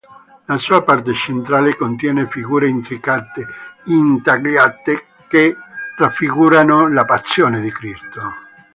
La sua parte centrale contiene figure intricate intagliate che raffigurano la Passione di Cristo.